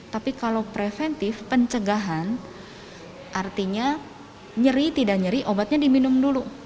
tapi kalau preventif pencegahan artinya nyeri tidak nyeri obatnya diminum dulu